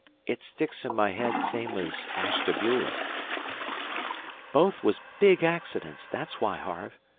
It sticks in my head same as Ashtabula." "Both was big accidents thet's why, Harve.